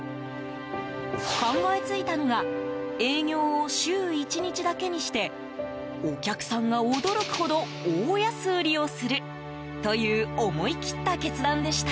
考えついたのが営業を週１日だけにしてお客さんが驚くほど大安売りをするという思い切った決断でした。